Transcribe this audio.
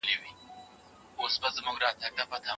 څېړونکی باید حقایق بیان کړي.